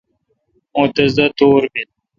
مہ تس دا تور بیل۔